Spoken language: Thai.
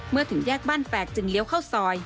เมื่อถึงแยกบ้านแฟกจึงเลี้ยวเข้าซอย